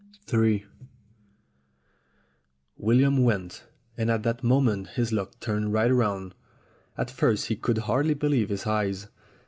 in WILLIAM went, and at that moment his luck turned right round. At first he could hardly believe his eyes.